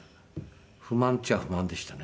不満っちゃ不満でしたね。